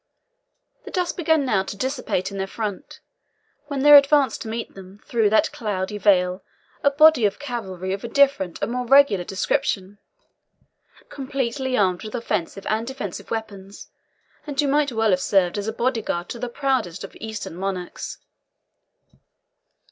The dust began now to dissipate in their front, when there advanced to meet them through that cloudy veil a body of cavalry of a different and more regular description, completely armed with offensive and defensive weapons, and who might well have served as a bodyguard to the proudest of Eastern monarchs.